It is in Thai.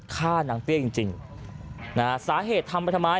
ฆ่านางเตี้ยจริงนะฮะสาเหตุทำไปทำไม